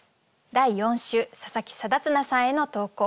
第４週佐佐木定綱さんへの投稿。